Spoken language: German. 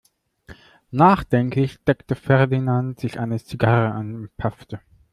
Nachdenklich steckte Ferdinand sich eine Zigarre an und paffte.